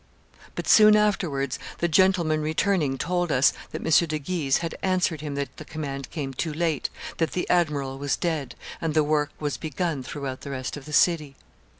But soon afterwards the gentleman returning told us that M. de Guise had answered him that the command came too late, that the admiral was dead, and the work was begun throughout the rest of the city.